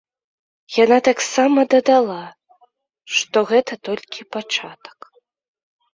Яна таксама дадала, што гэта толькі пачатак.